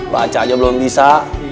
baca aja belum bisa